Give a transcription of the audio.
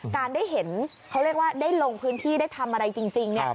การได้เห็นเขาเรียกว่าได้ลงพื้นที่ได้ทำอะไรจริง